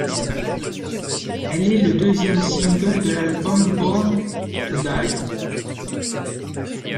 Elle est le deuxième single de l'album Born to Die.